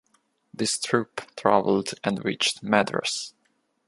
This troupe travelled and reached Madras.